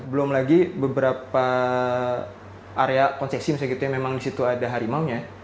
belum lagi beberapa area konseksi misalnya gitu ya memang di situ ada harimau nya ya